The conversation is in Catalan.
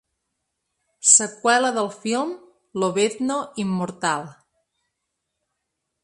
Seqüela del film ‘Lobezno inmortal’